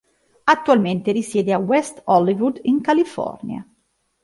Attualmente risiede a West Hollywood, in California.